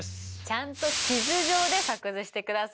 ちゃんと地図上で作図してください！